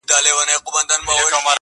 عطار وځغستل ګنجي پسي روان سو!!